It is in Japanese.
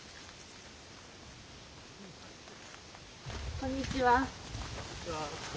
こんにちは。